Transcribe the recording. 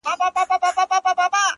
چي مي ناپامه هغه تيت څراغ ته”